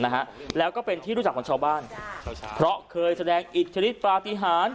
นะฮะแล้วก็เป็นที่รู้จักของชาวบ้านเพราะเคยแสดงอิทธิฤทธราติหาร